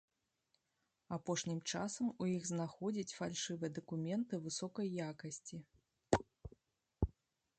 Апошнім часам у іх знаходзяць фальшывыя дакументы высокай якасці.